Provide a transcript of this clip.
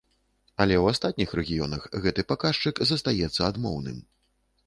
Але ў астатніх рэгіёнах гэты паказчык застаецца адмоўным.